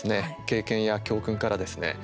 経験や教訓からですね